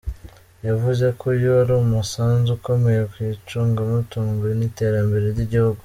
Yavuze ko uyu ari umusanzu ukomeye ku icungamutungo n’iterambere ry’igihugu.